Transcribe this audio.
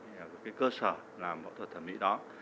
cái cơ sở làm bẫu thuật thẩm mỹ